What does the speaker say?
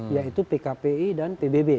yaitu pkpi dan pbb